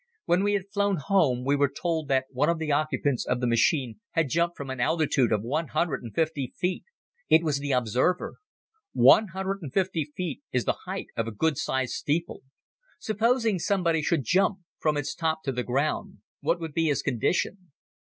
When we had flown home we were told that one of the occupants of the machine had jumped from an altitude of one hundred and fifty feet. It was the observer. One hundred and fifty feet is the height of a good sized steeple. Supposing somebody should jump from its top to the ground, what would be his condition?